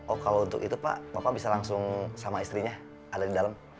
oh kalau untuk itu pak bapak bisa langsung sama istrinya ada di dalam